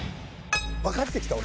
わかってきた俺。